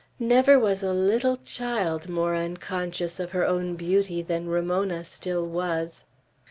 Never was a little child more unconscious of her own beauty than Ramona still was.